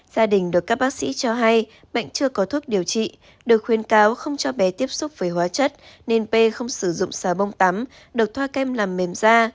gia đình được các bác sĩ cho hay bệnh chưa có thuốc điều trị được khuyên cáo không cho bé tiếp xúc với hóa chất nên p không sử dụng xà bông tắm được thoa kem làm mềm da